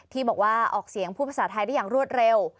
ที่บอกว่าออกเสียงพูดภาษาไทยได้อย่างรวดเร็ว